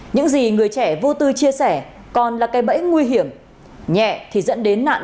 những gì người trẻ vô tư chia sẻ còn là cây bẫy nguy hiểm nhẹ thì dẫn đến nạn